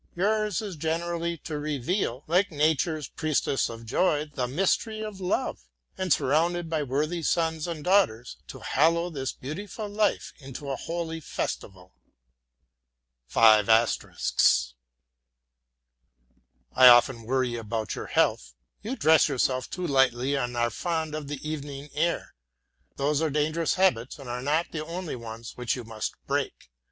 Yours is gently to reveal, like Nature's priestess of joy, the mystery of love; and, surrounded by worthy sons and daughters, to hallow this beautiful life into a holy festival. I often worry about your health. You dress yourself too lightly and are fond of the evening air; those are dangerous habits and are not the only ones which you must break.